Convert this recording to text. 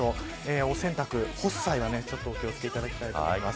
お洗濯を干す際はお気を付けいただきたいと思います。